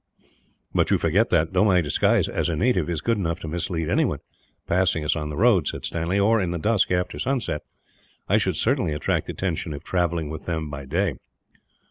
"But you forget that, though my disguise as a native is good enough to mislead anyone passing us on the road, or in the dusk after sunset, I should certainly attract attention if travelling with them, by day."